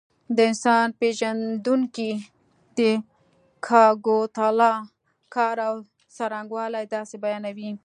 د انسان پېژندونکي د کګوتلا کار او څرنګوالی داسې بیانوي.